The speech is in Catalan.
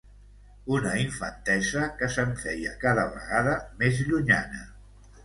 Una infantesa que se’m feia cada vegada més llunyana.